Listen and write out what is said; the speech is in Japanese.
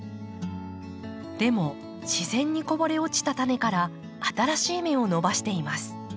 でも自然にこぼれ落ちたタネから新しい芽を伸ばしています。